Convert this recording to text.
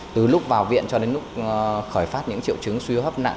từ lúc vào viện cho đến lúc khởi phát những triệu chứng suy hấp nặng